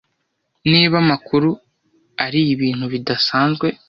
Niba amakuru ari ibintu bidasanzwe